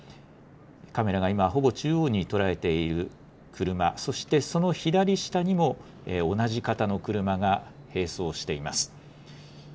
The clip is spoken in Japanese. カメラが今、ほぼ中央に捉えている車、そしてその左下にも、同じ型の車が並走しています。